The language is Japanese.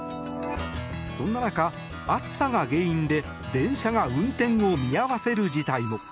そんな中、暑さが原因で電車が運転を見合わせる事態も。